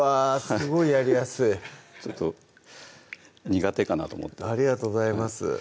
すごいやりやすいちょっと苦手かなと思ってありがとうございます